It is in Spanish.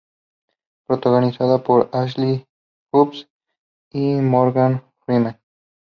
Protagonizada por Ashley Judd y Morgan Freeman.